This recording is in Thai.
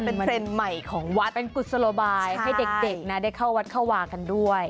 เป็นเทรนด์ใหม่ของวัดเป็นกุศโลบายให้เด็กนะได้เข้าวัดเข้าวากันด้วย